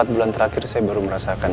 empat bulan terakhir saya baru merasakan